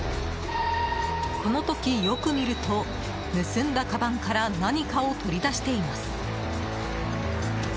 この時、よく見ると盗んだかばんから何かを取り出しています。